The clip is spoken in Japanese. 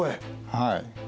はい。